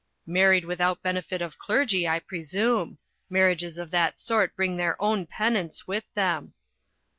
"Married without benefit of clergy, I presume. Marriages of that sort bring their own penance with them."